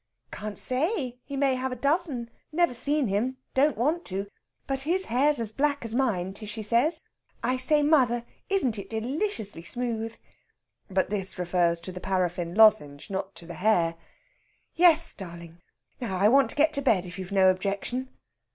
"Can't say. He may have a dozen. Never seen him. Don't want to! But his hair's as black as mine, Tishy says.... I say, mother, isn't it deliciously smooth?" But this refers to the paraffin lozenge, not to the hair. "Yes, darling. Now I want to get to bed, if you've no objection."